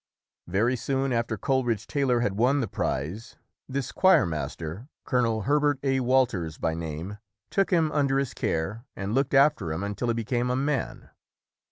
Very soon after Coleridge Taylor had won the prize this choirmaster, Colonel Herbert A. Wal ters by name, took him under his care and looked SAMUEL COLERIDGE TAYLOR [ 135 after him until he became a man.